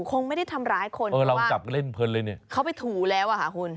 คงไม่ได้ทำร้ายคนเพราะว่าเขาไปถูแล้วอ่ะค่ะคุณ